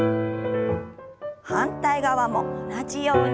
反対側も同じように。